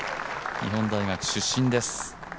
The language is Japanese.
日本大学出身です。